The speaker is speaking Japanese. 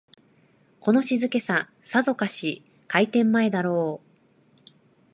この静けさ、さぞかし開店前だろう